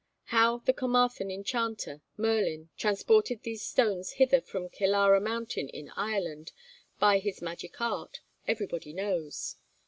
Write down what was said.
How the Carmarthen enchanter, Merlin, transported these stones hither from Killara mountain in Ireland by his magic art, everybody knows.